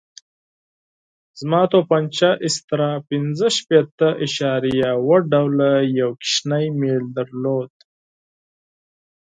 زما تومانچه استرا پنځه شپېته اعشاریه اوه ډوله یو کوچنی میل درلود.